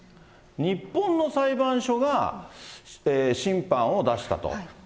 日本の裁判所が審判を出したと。